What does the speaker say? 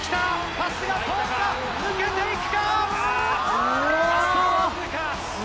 パスが通った、抜けていくか。